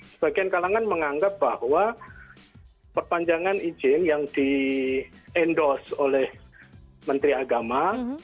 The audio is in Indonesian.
sebagian kalangan menganggap bahwa perpanjangan izin yang di endorse oleh menteri agama